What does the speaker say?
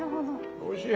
おいしい。